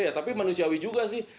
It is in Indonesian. ya tapi manusiawi juga sih